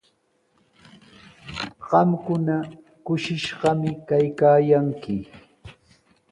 Qamkuna kushishqami kaykaayanki.